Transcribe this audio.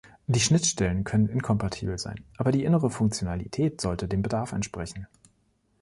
Die Schnittstellen können inkompatibel sein, aber die innere Funktionalität sollte dem Bedarf entsprechen.